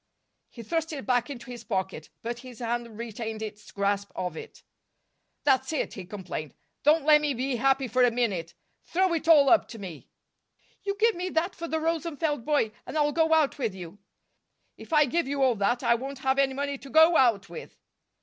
He thrust it back into his pocket, but his hand retained its grasp of it. "That's it," he complained. "Don't lemme be happy for a minute! Throw it all up to me!" "You give me that for the Rosenfeld boy, and I'll go out with you." "If I give you all that, I won't have any money to go out with!"